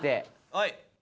はい！